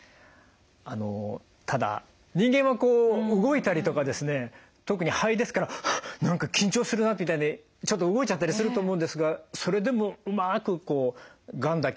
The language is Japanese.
あのただ人間はこう動いたりとかですね特に肺ですから「はっ何か緊張するな」みたいにちょっと動いちゃったりすると思うんですがそれでもうまくがんだけを狙い撃ちできるんですか？